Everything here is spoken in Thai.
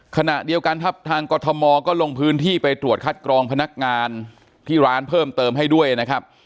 ขณะเดียวกันครับทางกรทมก็ลงพื้นที่ไปตรวจคัดกรองพนักงานที่ร้านเพิ่มเติมให้ด้วยนะครับ